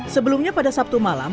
sebelumnya pada sabtu malam